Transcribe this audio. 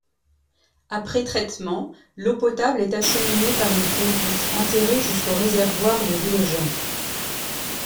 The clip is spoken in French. Après traitement, l'eau potable est acheminée par une conduite enterrée jusqu'aux réservoirs de Villejean.